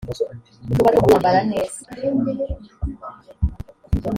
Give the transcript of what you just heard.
tuba tugomba kwambara neza